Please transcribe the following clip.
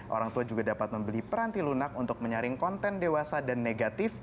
orang tua juga dapat membeli peranti lunak untuk menyaring konten dewasa dan negatif